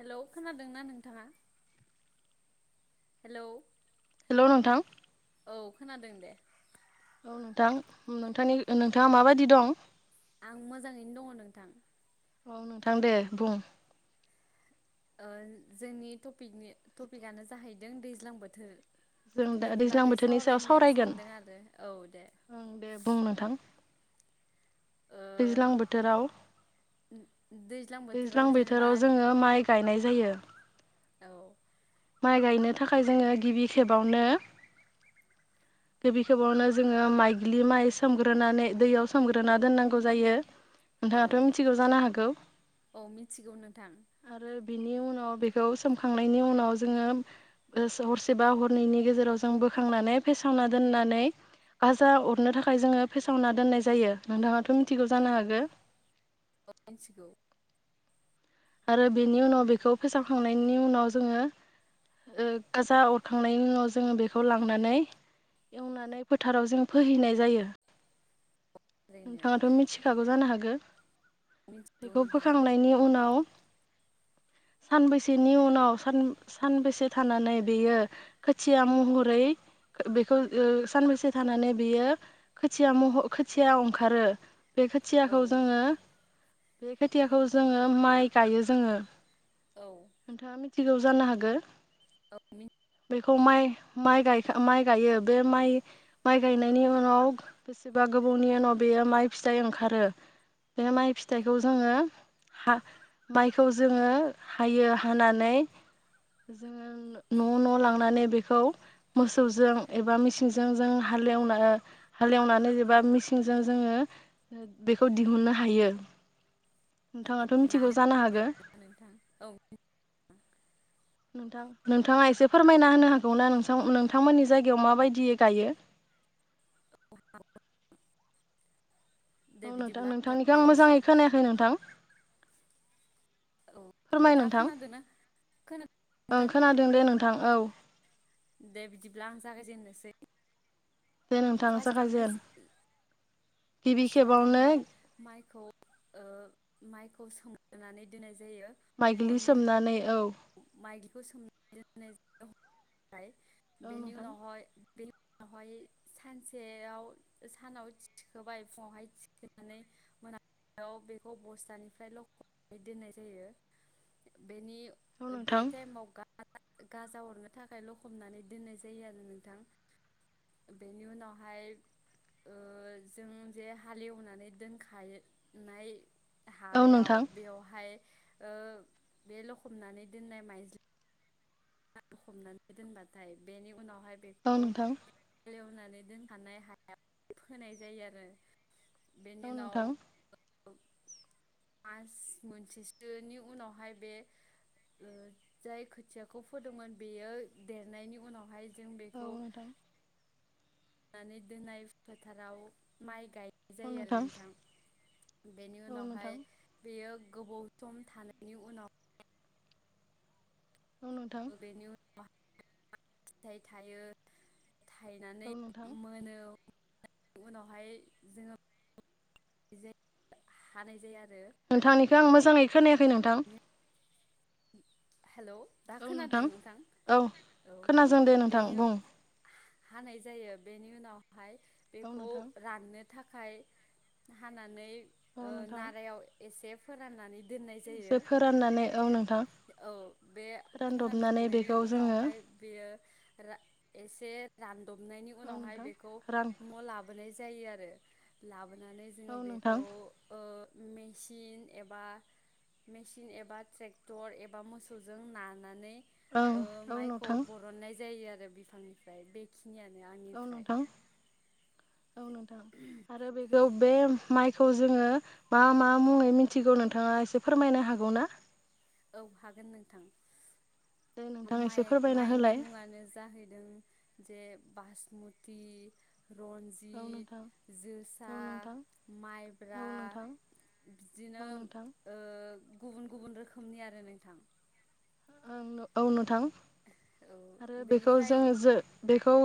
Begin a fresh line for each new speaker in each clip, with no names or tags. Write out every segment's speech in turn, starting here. Hello खोनादोंना नोंथाङा hello
hello नोंथां
औ खोनादों दे।
औ नोंथां नोंथांनि नोंथाङा माबायदि दं?
आं मोजाङैनो दङ नोंथां।
औ नोंथां दे बुं।
ओ जोंनि टपिकनि टपिकआनो जाहै दों दैज्लां बोथोर।
जों दा
बेनि
दैज्लां
बागै
बोथोरनि सायाव
सावरायनो
सावरायगोन
सानदों आरो औ दे
ओं दे बुं नोंथां।
ओ
दैज्लां बोथोराव
बोथोराव
दैज्लां
जेनेबा
बोथोराव जोङो माइ गायनाय जा जायो।
औ।
माइ गायनो थाखाय जोङो गिबि खेबावनो गिबि खेबावनो जोङो माइग्लि माइ सोमग्रोनानै दैयाव सोमग्रोना दोननां गौ जायो।
औ
नोंथाङाथ' मिथिगौ जानो हागौ
औ मिथिगौ नोंथां
आरो। बिनि उनाव बेखौ सोमखांनायनि उनाव जोङो, हरसेबा हरनैनि गेजेराव जों बोखांनानै फेसावना दोननानै, गाजा अरनो थाखाय जोङो फेसावना दोननाय जायो नोंथाङाथ' मि थिगौ जानो हागौ।
अ मिन्थिगौ।
आरो बेनि उनाव बेखौ फेसावखांनायनि उनाव जोङो गाजा अरखांनायनि उनाव जोङो, बेखौ लांनानै एवनानै फोथाराव जों फोहैनाय जायो।
ओरैनो
नोंथाङाथ' मिथिखा बाय जानो हागौ।
मिथिगौ
बेखौ
नोंथां
बोखांनायनि उनाव सानबैसेनि उनावान सानबेसे थानानै बेयो खोथिया महरै बेखौ ओ सानबेसे थानानै बेयो खोथिया महर खोथिया ओंखारो। बे
औ
खोथियाखौ जोङो। बे खोथियाखौ जोङो माइ। गायो जोङो
औ
नोंथाङा मिथिगौ जानो हागो।
आम।
बेखौ माइ माइगाय माइ गायो बे माइ गायनायनि उनाव बेसेबा गोबावनि उनाव बेयो माइ फिथाइ ओंखारो बे माइ फिथाइखौ जोङो हा। माइखौ जोङो हायो हानानै जोङो न' न' लांनानै बेखौ मोसौजों एबा मिसिंजों जों हालेवना हालेवनानै एबा मिसिंजों जोङो बेखौ दिहुननो हायो। नोंथाङाथ' मिथिगौ।
लानो
जानो हागो
नोंथां औ।
नोंथां नोंथाङा एसे फोरमायना होनो हागौ ना? नोंसा नोंथांमोननि जायगायाव माबायदि गायो?
[inaudible] दे
औ नोंथां
बिदिब्ला
नोंथांनिखौ आं
जागायनोसै
मोजाङै खोनायाखै नोंथां। फोरमाय
दा
नोंथां
खोनादों ना खोनादों
ओं
नोंथां?
खोनादों दे नोंथां औ
दे बिदिब्ला आं जागायजेननोै। जे।
दे नोंथां जागायजेन। गिबि खेबावनो
फारस्टावनियावहाय माइखौ। माइखौ सोंनानै दोननाय।
माइग्लि सोमनानै औ
माइदिखौ स। [unintelligible]
औ
बेनि
नोंथां
उनावहाय। बे उनावहाय सानसेयाव सानाव। खोबाय फुङावहाय थिखनानै मोनाबायाव बेखौ बस्थानिफ्रायल' लखब दोननाय जायो। बेनि
औ
बे
नोंथां
टाइमाव गा गाजा हरनो थाखाय लखबनानै दोननाय जायो आरो नोंथां बेनि उनावहाय ओ जों जे हालेवनानै दोनखायो नाय
औ
हायाव
नोंथां
बेवहाय। ओ बे लखमनानै दोननाय माइजलि हमनानै दोनबाथाय बेनि उनाव
औ
बेखौ
नोंथां
हालेवना दोनखानाय हाया फोनाय जायो आरो।
औ
बेनिनो नाव
नोंथां
मास मोनसेसोनि उनावहाय बे ओ जाय खोथिया खौ फोदोंमोन बेयो देरनायनि उनावहाय जों
औ
बेखौ
नोंथां
नानै दोननाय फोथाराव माइ गाय जायो आरो नोंथां बेनि
औ नोंथां
उनावहाय बेयो गोबाव सम थानायनि उनाव
औ नोंथां
बेनो उन [unintelligible] फिथाइ थायो। थायनानै
औ नोंथां
मोनो। उनावहाय जोङो [unintelligible] हानाय जायो आ
नोंथांनिखो आं मोजां जांयै खोनायाखै नोंथां।
हेलौ दा
औ
खोनादों
नोंथां औ
औ
खोनादों दे नोंथां
बेनि
बुं।
हानाय जायो बेनि उनाव हाय
औ
बेखौ
नोंथां
राननो थाखाय हानानै
औ
ओ
नोंथां
नारायाव एसे फोराननानै दोन
एसे
जायो
फोराननानै औ नोंथां
औ बे
फोरानदबनानै
फोरानखांनायनि
बेखौ जोङो
उनावहाय बेयो रा एसे से रान दबनायनि
औ
उनावहाय
नोंथां
बेखौ
रां
न' लाबोनाय जायो आरो लाबो नानै
औ
जोङो बेखौ
नोंथां
ओ मेसिन एबा मेसिन एबा ट्रेक्टर एबा मोसौजों नानानै
औ
ओ
औ
माइखौ
नोंथां
बरननाय जायो आर रो बिफांनिफ्राय बेखि नियानो
औ
आंनिफ्राय
नोंथां औ नोंथां आरो बेखौ बे माइखौ जोङो मा मा मुङै मिथिगौ नोंथाङा एसे फोरमायनो हागौ ना?
औ हागोन नोंथां।
दे
उम
नोंथां एसे
माइ
फोरमायना
माइनि
होलाय
मुङानो जाहैदों जे बासमुटि
औ
रनजित,
नोंथां औ
जोसा,
नोंथां औ
माइब्रा
नोंथां औ
बिदिनो
नोंथां
ओ गुबुन गुबुन रोख खोमनि आरो नोंथां।
आं औ नोंथां।
औ
आरो बेखौ
बेनिफ्राय
जोङो जो बेखौ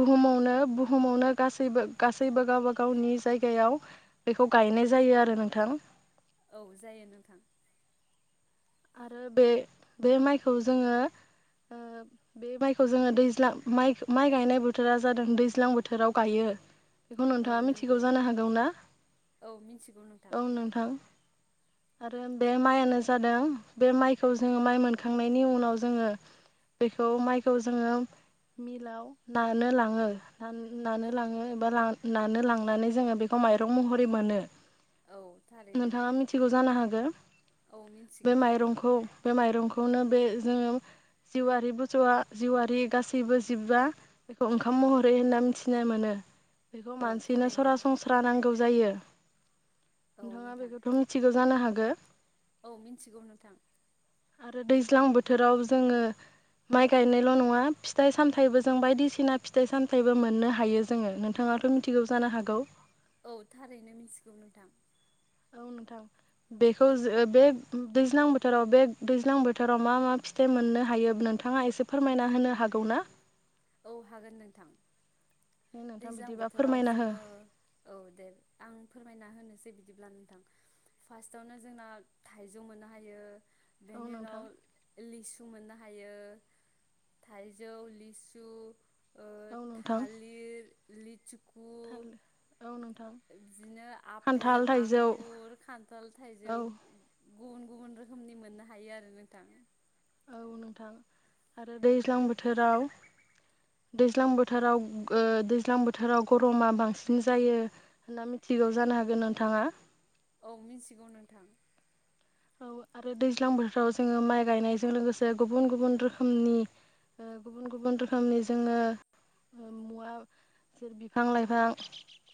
बुहुमावनो बुहुमावनो गासैबो गासैबो गावबा गावनि जायगायाव बेखौ गायनाय जायो आरो नोंथां।
औ जायो नोंथां।
आरो बे बे माइखौ जोङो ओ बे माइखौ जोङो दैज्लां माइखो माइ गायनाय बोथोरा जादों दैज्लां बोथोराव गायो। बेखौ
औ
नोंथाङा मिथिगौ
नंगौ
जानो हागौ ना?
औ मिथिगौ
औ नोंथां। आरो बे माइआनो जादों बे माइखौ जोङो माइ मोनखांनायनि उनाव जोङो बेखौ माइखौ जोङो मिलाव नानो लाङो नान नानो लाङो एबा लान नानो लांनानै जोङो बेखौ माइरं महरै मोनो।
औ थारैनो
नोंथाङा मिथिगौ जानो हागो?
औ
बे
मिथिगौ
माइरंखौ बे माइरंख खौनो बे जोङो जिउआरि बुसौआ जिउआरि गासैबो जिबआ बेखौ ओंखाम महरै होनना मिथिनो मोनो। बेखौ
औ
मानसिनो
थारैनो
सरासनस्रा नांगौ जायो। [inaudible]
औ
नोंथाङा
नोंथां
बेखौथ' मिथिगौ जानो हाग गो
औ मिन्थिगौ नोंथां।
आरो दैज्लां बोथोराव जोङो माइ गायनायल' नङा फिथाइ सामथायबो जों बायदिसिना फिथाइ सामथाइबो मोननो हायो जोङो नोंथाङाथ' मिथिगौ जानो हागौ?
औ थारैनो मिथिगौ नोंथां।
औ नोंथां बेखौ जो बे दैज्लां बोथोराव बे दैज्लां बोथोराव मा मा फिथाइ मोननो हायोब नोंथाङा एसे फोरमायना होनो हागौ ना?
औ हागोन नोंथां।
दे नोंथां
दैज्लां
बिदिबा
बोथोराव
फोरमायना हो
जोङो औ दे आं फोरमायना होनैस जे बिदिब्ला नोंथां फास्टआवनो जोंना थाइजौ मोननो हायो।
औ
बेनि उनाव
नोंथां
लिस मोन्नो होयो थाइजौ, लिस औ ओ
औ
थालिर लिसु
थालिर
बिदिनो आफेल,
थाइजौ
आंगुर, खान्थाल,
औ
थाइजौ गुबुन गुबुन रोखोमनि मोननो हायो आरो नोंथां
औ नोंथां आरो दैज्लां
औ
बोथोराव दैज्लां बोथोराव ओ दैज्लां बोथोराव गरमा बांसिन जायो होनना मिथिगौ जानो हागोन नोंथाङा।
औ मिथिगौ नोंथां
औ आरो दैज्लां बोथोराव जोङो माइ गायनायजों लोगोसे गुबुन गुबुन रोखोमनि ओ गुबुन गुबुन रोखोमनि जोङो मुवा ज बिफां लाइफां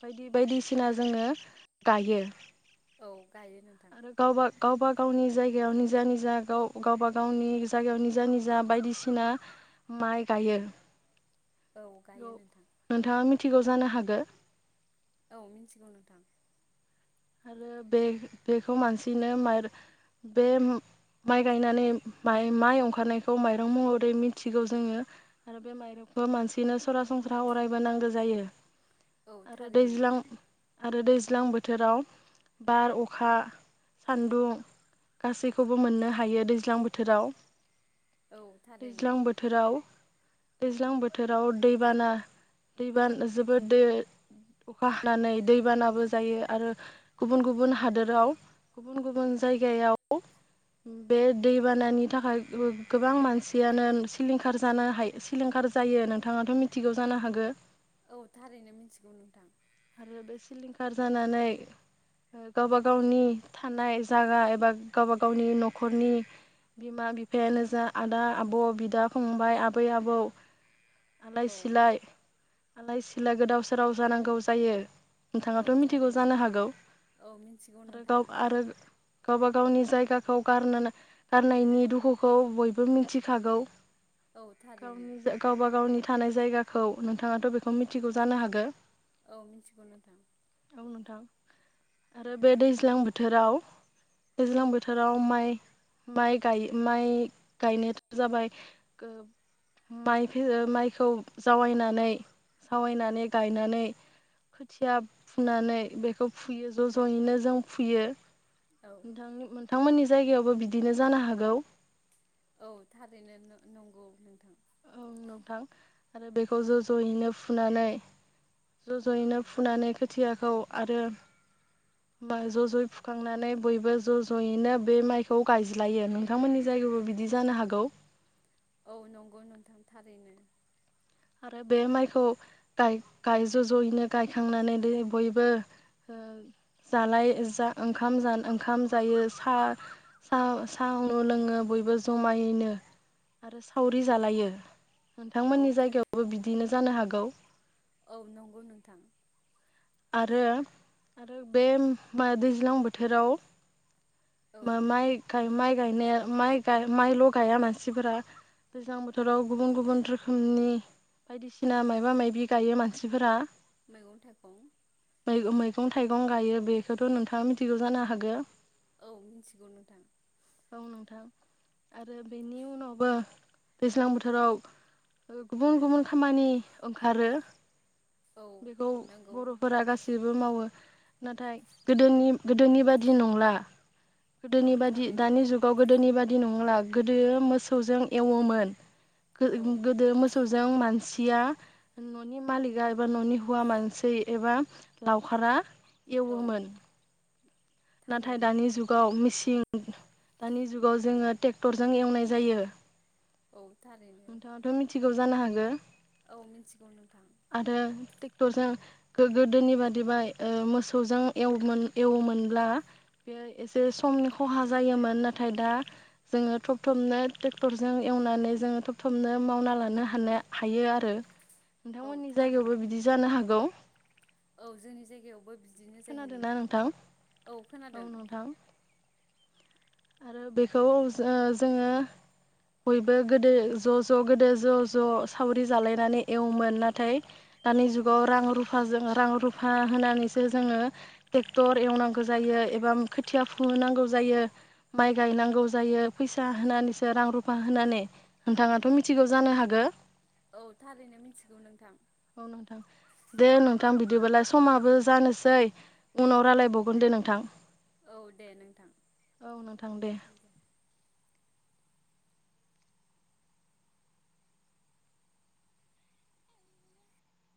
बायदि बायदिसिना जोङो गायो
औ गायो नोंथां
आरो गावबा गावबा गावनि जायगायावनो जा निजा गाव गावबा गावनि जायगायाव निजा निजा बायदिसिना माइ गायो।
औ गायो नोंथां।
थिगौ जानो हागो।
औ मिथिगौ नोंथां।
आरो बे बेखौ मानसिनो माइर बे माइ गायनानै माइ माइ अंखारनायखौ माइरं महरै मिथिगौ जोङो आरो बे माइरंखौ मानसिनो सरासनस्रा अरायबो नांगो जायो।
औ
आरो
थारैनो
दैज्लां आरो दैज्लां बोथोराव बार अखा सान्दुं गासैखौबो मोननो हायो दैज्लां बोथोराव।
औ थारैनो
दैज्लां बोथोराव दैज्लां बोथोराव दैबाना दैबान जोबोद दै अखा हानानै दैबानाबो जायो आरो गुबुन गुबुन हादोराव गुबुन गुबुन जायगायाव बे दैबानानि थाखाय गो-गोबां मानसियानो सिलिंखार जानो हायो सिलिंखार जायो नोंथाङाथ' मिथिगौ जानो हागो।
औ थारैनो मिथिगौ नोंथां।
आरो बे सिलिंखार जानानै ओ गावबा गावनि थानाय जागा एबा गावबा गावनि न'खरनि बिमा बिफायानो जा आदा आब' बिदा फंबाय आबै आबौ आलाय
औ
सिलाय आलाय सिलाय गोदाव सोराव जानांगौ जा जायो।
औ
नोंथाङाथ' मिथिगौ
थारैनो
जानो हागौ
औ मिथिगौ
आरो
नोंथां
गाव आरो गावबा गावनि जायगाखौ गारनो गारनायनि दुखुखौ बयबो मिथिखागौ।
औ थारैनो
गावनि गावबा गावनि थानाय जायगाखौ नोंथाङाथ' बेखौ मिथिगौ जानो हागो।
औ मिथिगौ नोंथां।
नोंथां आरो बे दैज्लां बोथोराव दैज्लां बोथोराव माइ माइ गाय माइ गायनायाथ' जाबाय ओ माइखो माइखौ जावायनानै जावायनानै गायनानै खोथिया फुनानै बेखौ फुयो ज' ज'यैनो जों फुयो।
औ
नोंथां नोंथांमोननिज जायगायावबो बिदिनो जानो हागौ।
औ थारैनो नों-नोंगौ नोंथां।
औ नोंथां आरो बेखौ ज' ज'यैनो फुनानै ज' ज'यैनो फुनानै खोथियाखौ आरो बा ज' ज'यै फुखांनानै बयबो ज' ज'यैनो बे माइखौ गायज्लायो नोंथांमोननि जायगायावबो बिदि जानो हागौ।
औ नंगौ नोंथां थारैनो।
आरो बे माइखौ गाय गायो ज' जयैनो गायखांनानै दै बयबो ओ जालाय जा ओंखाम जा ओंखाम जायो सा-सा-सा उनु लोङो बयबो जमायैनो आरो सावरि जालायो। नोंथांमोननि
औ था
जायगायाव बिदिनो जानो हागौ।
औ नंगौ नोंथां।
आरो आरो बेम दैज्लां बोथोराव
औ
मा-माय गाय माइ गायनाया माइ गा माइल' गाया मानसिफोरा दैज्लां बोथोराव गुबुन गुबुन रोखोमनि बायदिसिना मायबा मायबि गायो मानसिफोरा।
मैगं थाइगं।
मै-मैगं थाइगं गायो बेखौथ' नोंथाङा मिथिगौ जानो हागो।
औ मिथिगौ नोंथां।
नोंथां आरो बेनि उनावबो दैज्लां बोथोराव गुबुन गुबुन खामानि ओंखारो।
औ
बेखौ
नंगौ
फोरा गासिबो मावो नाथाय गोदोनि गोदोनि बादि नंला।
औ
गोदोनि बायदि
थारैनो
दानि जुगाव गोदोनि बायदि नंला। गोदो मोसौजों एवोमोन गो
औ
गोदो मोसौजों मानसिया न'नि मालिकआ एबा न'नि हौवा मानसै एबा लावखारा
औ
एवोमोन नाथाय
थारैनो
दानि जुगाव मिसिन [unintelligible] दानि जुगाव जोङो टेक्टरजों एवनाय जायो।
औ थारैनो
नोंथाङाथ' मिथिगौ जानो हागो [inaudible]
औ मिथिगौ नोंथां।
[unintelligible] गोदोनि बादिबा ओ मोसौजों एवोमोनब्ला बे एसे समनि खहा जायोमोन नाथाय दा जोङो थब थबनो टेक्टरजों एवनानै जोङो थब थबनो मावना लानो हानो हायो आरो।
औ
नोंथांमोननि जायगायावबो
थारैनो
बिदि जानो हागौ।
औ जोंनि जायगायावबो बिदिनो जायो
खोनादों ना नोंथां
औ खोनादों
औ नोंथां। आरो बेखौ जो ओ जोङो बयबो गोदो ज' ज' गोदो ज' ज' सावरि जालायनानै एवोमोन नाथाय दानि जुगाव रां रुफाजों रां रुफा होनानैसो जोङो टेक्टर एवनांगौ जायो एबा खोथिया फुहोनांगौ जायो। माइ गायनांगौ जायो फैसा होनानैसो रां रुफा होनानै नोंथाङाथ' मिथिगौ जानो हागो।
औ थारैनो मिथिगौ नोंथां
औ नोंथां दे नोंथां बिद बिदिबोला समाबो जानोसै उनाव रायलायबावगोन दे नोंथां।
औ दे नोंथां।
औ नोंथां दे
[unintelligible]